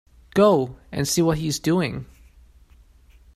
Go and see what he is doing.